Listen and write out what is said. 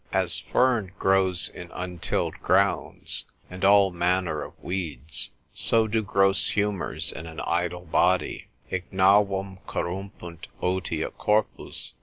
As fern grows in untilled grounds, and all manner of weeds, so do gross humours in an idle body, Ignavum corrumpunt otia corpus.